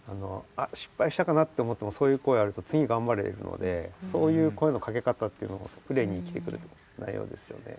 あっしっぱいしたかなって思ってもそういう声あると次がんばれるのでそういう声のかけ方っていうのがプレーに生きてくるないようですよね。